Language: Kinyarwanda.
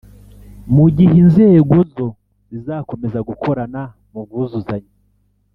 mu gihe inzego zo zizakomeza gukorana mu bwuzuzanye